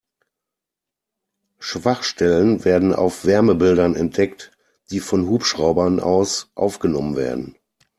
Schwachstellen werden auf Wärmebildern entdeckt, die von Hubschraubern aus aufgenommen werden.